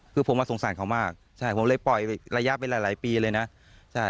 คือผมสงสารเขามากใช่ผมเลยปล่อยระยะไปหลายหลายปีเลยนะใช่